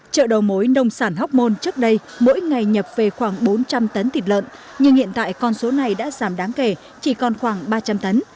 chợ đầu mối nông sản hóc môn trước đây mỗi ngày nhập về khoảng bốn trăm linh tấn thịt lợn nhưng hiện tại con số này đã giảm đáng kể chỉ còn khoảng ba trăm linh tấn